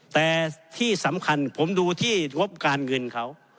แต่ที่สำคัญผมดูที่งบการเงินเขา